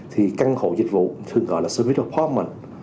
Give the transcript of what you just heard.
thì căn hộ dịch vụ thường gọi là service apartment